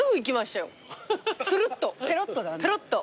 ペロッと。